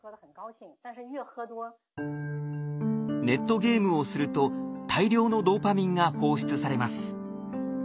ネットゲームをすると大量のドーパミンが放出されます。